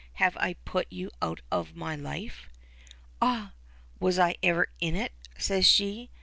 "Have I put you out of my life?" "Ah! was I ever in it?" says she.